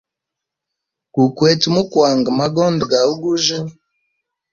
Gu kwete mu kwanga magonde ga ugujya.